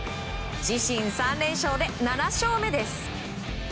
自身３連勝で７勝目です。